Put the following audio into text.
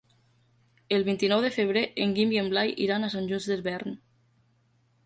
El vint-i-nou de febrer en Guim i en Blai iran a Sant Just Desvern.